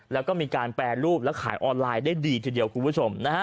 แล้วก็มีการแปรรูปและขายออนไลน์ได้ดีทีเดียวคุณผู้ชมนะฮะ